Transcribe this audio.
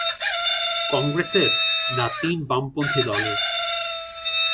কংগ্রেসের না তিন বামপন্থী দলের?